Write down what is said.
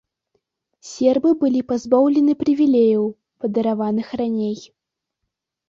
Сербы былі пазбаўлены прывілеяў, падараваных раней.